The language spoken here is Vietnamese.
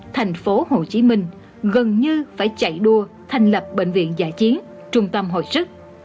tp hcm gần như phải chạy đua thành lập bệnh viện giải chiến trung tâm hội sức